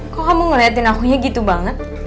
kok kamu ngeliatin akunya gitu banget